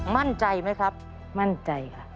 มั่นใจไหมครับมั่นใจค่ะ